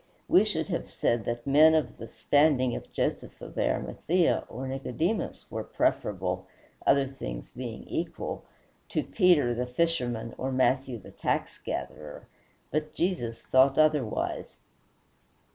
We should have said that men of the standing of Joseph of Arimathea or Nicodemus were preferable, other things being equal, to Peter the fisherman or Matthew the tax gatherer; but Jesus thought otherwise.